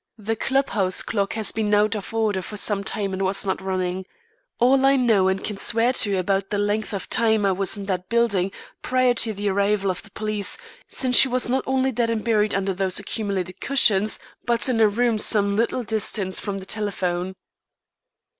The club house clock has been out of order for some time and was not running. All I know and can swear to about the length of time I was in that building prior to the arrival of the police, is that it could not have been very long, since she was not only dead and buried under those accumulated cushions, but in a room some little distance from the telephone."